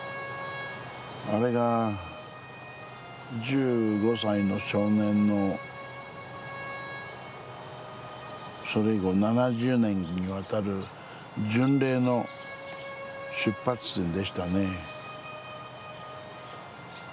あれが１５歳の少年のそれ以後７０年にわたる巡礼の出発点でしたね。